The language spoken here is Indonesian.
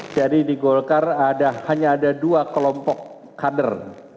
jadi di golkar hanya ada dua kelompok kader